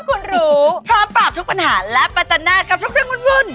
เพื่อให้คุณรู้พร้อมปราบทุกปัญหาและปัจจันทร์กับทุกเรื่องรุ่น